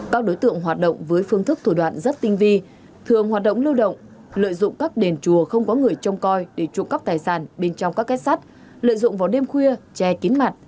các đối tượng hoạt động với phương thức thủ đoạn rất tinh vi thường hoạt động lưu động lợi dụng các đền chùa không có người trông coi để trộm cắp tài sản bên trong các kết sắt lợi dụng vào đêm khuya che kín mặt